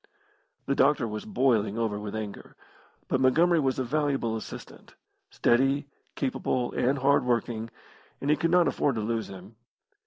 The doctor was boiling over with anger, but Montgomery was a valuable assistant steady, capable, and hardworking and he could not afford to lose him.